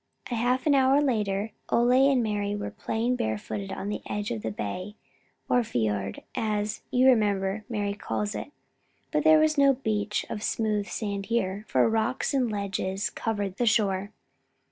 A half hour later Ole and Mari were playing barefooted on the edge of the bay, or fiord, as, you remember, Mari calls it. But there was no beach of smooth sand here, for rocks and ledges covered the shore.